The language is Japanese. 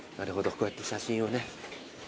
こうやって写真をね。